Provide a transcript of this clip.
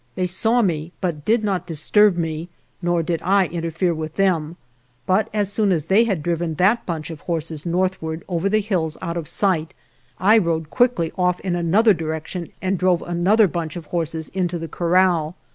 They saw me but did not disturb me, nor did I interfere with them, but as soon as they had driven that bunch of horses north ward over the hill out of sight I rode quickly off in another direction and drove another bunch of horses into the corral.